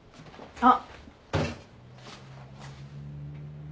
あっ